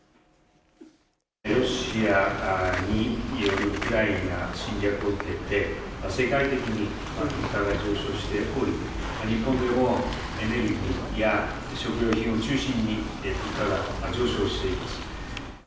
ロシアによるウクライナ侵略を受けて、世界的に物価が上昇しており、日本でも、エネルギーや食料品を中心に、物価が上昇しています。